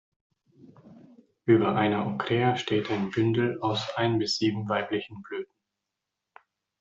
Über einer Ochrea steht ein Bündel aus ein bis sieben weiblichen Blüten.